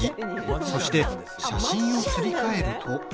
そして、写真をすり替えると。